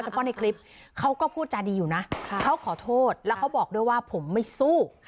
เพราะในคลิปเขาก็พูดจาดีอยู่นะเขาขอโทษแล้วเขาบอกด้วยว่าผมไม่สู้